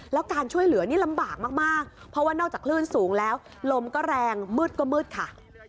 แล้วการช่วยเหลือนี่ลำบากมากเพราะว่านอกจากคลื่นสูงแล้วลมก็แรงมืดก็มืดค่ะ